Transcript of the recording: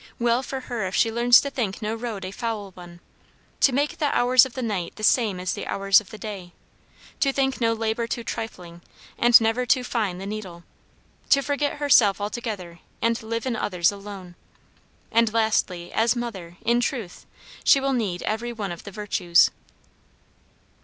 Well for her if she learns to think no road a foul one, To make the hours of the night the same as the hours of the day; To think no labor too trifling, and never too fine the needle; To forget herself altogether, and live in others alone. And lastly, as mother, in truth, she will need every one of the virtues."